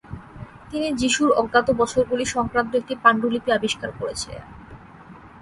তিনি যিশুর অজ্ঞাত বছরগুলি সংক্রান্ত একটি পাণ্ডুলিপি আবিষ্কার করেছিলেন।